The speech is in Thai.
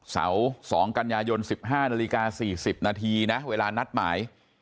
เสาร์๒กันยายน๑๕นาฬิกา๔๐นาทีนะเวลานัดหมาย